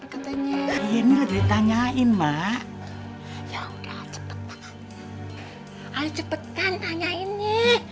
katanya ny interested tanyain mak yang enables cepet cepetkan tanya ini